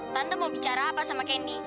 tante mau bicara apa sama kendi